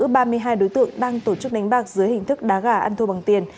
bắt giữ ba mươi hai đối tượng đang tổ chức đánh bạc dưới hình thức đá gà ăn thu bằng tiền